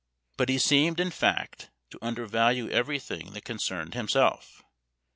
But he seemed, in fact, to undervalue everything that concerned himself.